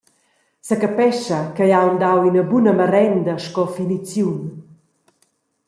Secapescha ch’ei ha aunc dau ina buna marenda sco finiziun.